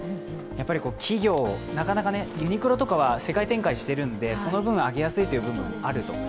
企業、なかなかユニクロとかは世界展開しているのでその分、上げやすいという部分もあると思う。